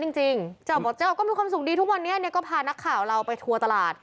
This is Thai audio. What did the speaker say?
จริงเจ้าบอกเจ้าก็มีความสุขดีทุกวันนี้เนี่ยก็พานักข่าวเราไปทัวร์ตลาด